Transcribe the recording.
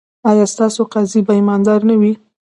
ایا ستاسو قاضي به ایماندار نه وي؟